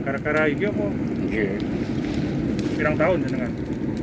karena itu pun